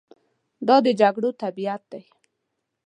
دا د جګړو طبیعت دی.